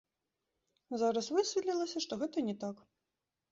Зараз высветлілася, што гэта не так.